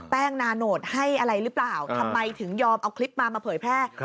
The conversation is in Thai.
นาโนตให้อะไรหรือเปล่าทำไมถึงยอมเอาคลิปมามาเผยแพร่